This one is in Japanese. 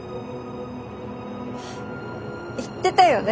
言ってたよね